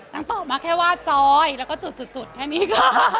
ตอบมาแค่ว่าจอยแล้วก็จุดแค่นี้ค่ะ